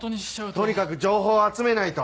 とにかく情報を集めないと。